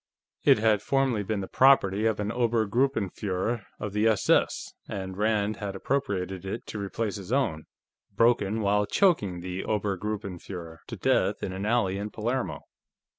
It had formerly been the property of an Obergruppenführer of the S.S., and Rand had appropriated it to replace his own, broken while choking the Obergruppenführer to death in an alley in Palermo.